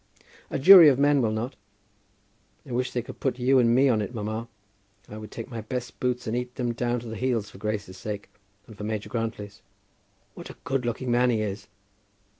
"A jury of men will not. I wish they could put you and me on it, mamma. I would take my best boots and eat them down to the heels, for Grace's sake, and for Major Grantly's. What a good looking man he is!"